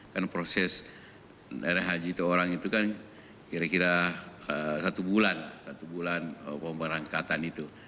karena proses haji itu orang itu kan kira kira satu bulan satu bulan pemberangkatan itu